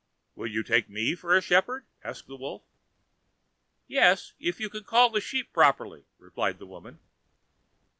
"Will you take me for a shepherd?" asked the wolf. "Yes, if you can call the sheep properly," replied the woman.